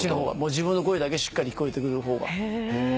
自分の声だけしっかり聞こえてくる方が。